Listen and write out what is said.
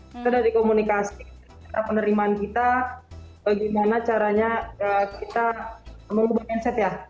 kita dari komunikasi penerimaan kita bagaimana caranya kita mengubah mindset ya